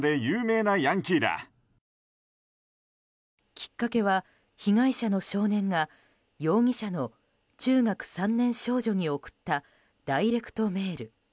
きっかけは、被害者の少年が容疑者の中学３年少女に送ったダイレクトメール。